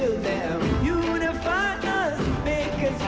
ท่านแรกครับจันทรุ่ม